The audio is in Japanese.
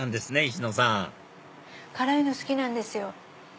石野さん辛いの好きなんですよ。